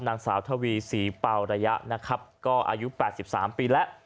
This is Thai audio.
นางสาวทวีศรีปาวระยะนะครับก็อายุแปดสิบสามปีแล้ว